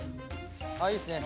あっいいですね。